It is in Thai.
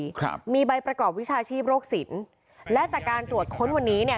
ครับมีใบประกอบวิชาชีพโรคสินและจากการตรวจค้นวันนี้เนี่ย